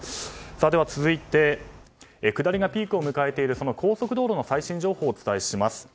では続いて下りのピークを迎えている高速道路の最新情報をお伝えします。